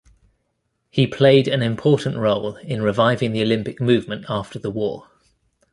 He played an important role in reviving the Olympic Movement after the war.